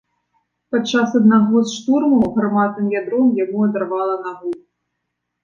Падчас аднаго з штурмаў гарматным ядром яму адарвала нагу.